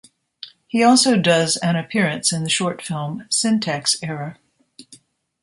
He also does an appearance in the short film "Syntax Error".